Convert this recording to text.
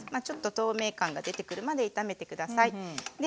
ちょっと透明感が出てくるまで炒めて下さい。